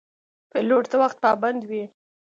پیلوټ د وخت پابند وي.